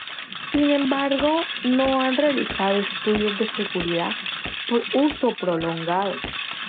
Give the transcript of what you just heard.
Sin embargo, no se han realizado estudios de seguridad por uso prolongado.